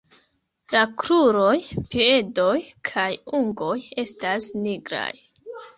La kruroj, piedoj kaj ungoj estas nigraj.